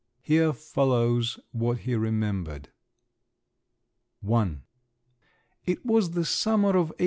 Here follows what he remembered. I It was the summer of 1840.